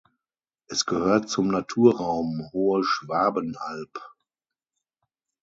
Es gehört zum Naturraum Hohe Schwabenalb.